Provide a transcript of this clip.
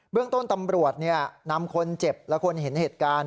เรื่องต้นตำรวจนำคนเจ็บและคนเห็นเหตุการณ์